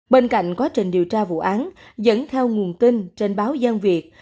bên cạnh quá trình điều tra vụ án dẫn theo nguồn tin trên báo gian việt